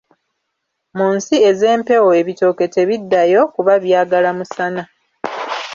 Mu nsi ez'empewo ebitooke tebiddayo, kuba byagala musana.